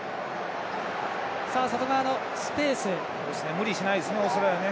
無理しないですねオーストラリアは。